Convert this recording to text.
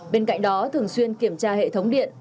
bên cạnh đó thường xuyên kiểm tra hệ thống điện